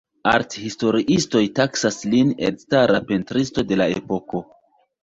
Art-historiistoj taksas lin elstara pentristo de la epoko.